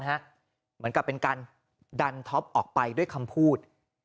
เหมือนกับเป็นการดันท็อปออกไปด้วยคำพูด